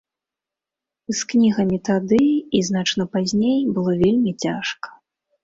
З кнігамі тады і значна пазней было вельмі цяжка.